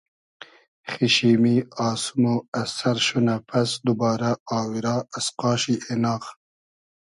خیشیمی آسمۉ از سئر شونۂ پئس دوبارۂ آوورا از قاشی ایناغ